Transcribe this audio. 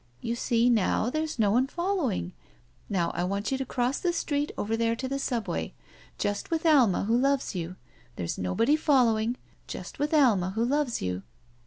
You see now, there's no one following. Now I want you to cross the street over there to the Subway. Just with Alma who loves you. There's nobody following. Just with Alma who loves you."